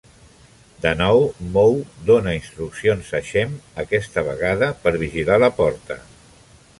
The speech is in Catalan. De nou, Moe dona instruccions a Shemp, aquesta vegada per vigilar la porta.